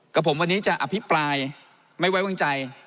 กับผมวันนี้จะอภิปรายไม่ไว้วางใจ